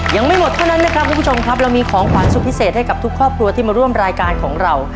ยังไม่หมดเท่านั้นนะครับคุณผู้ชมครับเรามีของขวัญสุดพิเศษให้กับทุกครอบครัวที่มาร่วมรายการของเรา